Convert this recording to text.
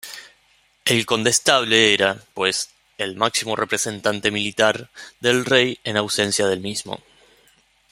El condestable era, pues, el máximo representante militar del Rey en ausencia del mismo.